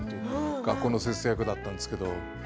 学校の先生役だったんですけど。